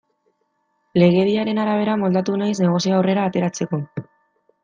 Legediaren arabera moldatu naiz negozioa aurrera ateratzeko.